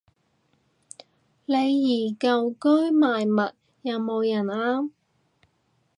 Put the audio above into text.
李怡舊居賣物，有冇人啱